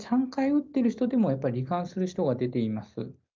３回打ってる人でもり患する人が出ています。